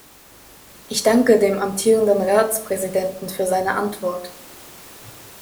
Ich danke dem amtierenden Ratspräsidenten für seine Antwort.